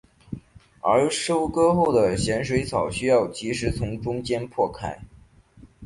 而收割后的咸水草需要即时从中间破开。